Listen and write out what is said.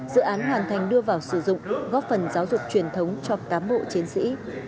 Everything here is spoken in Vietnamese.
dự án hoàn thành đưa vào sử dụng góp phần giáo dục truyền thống cho cám bộ chiến sĩ